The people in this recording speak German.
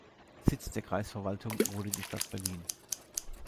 Sitz der Kreisverwaltung wurde die Stadt Bilin.